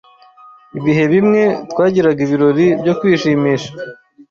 Ibihe bimwe, twagiraga ibirori byo kwishimisha